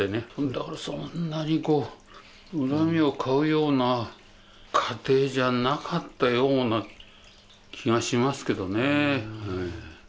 だからそんなにこう、恨みを買うような家庭じゃなかったような気がしますけどね。